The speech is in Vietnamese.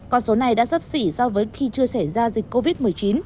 còn số này đã sắp xỉ so với khi chưa xảy ra dịch covid một mươi chín